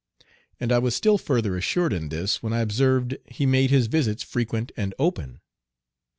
And I was still further assured in this when I observed he made his visits frequent and open.